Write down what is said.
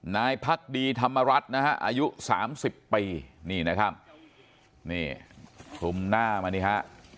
นายพักดีธรรมรัฐนะฮะอายุสามสิบปีนี่นะครับนี่คลุมหน้ามานี่ฮะ